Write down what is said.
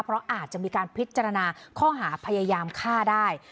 เพราะอาจจะมีการพิจารณาข้อหาพยายามฆ่าได้